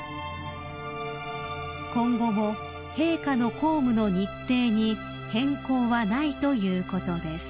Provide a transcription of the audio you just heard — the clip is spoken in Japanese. ［今後も陛下の公務の日程に変更はないということです］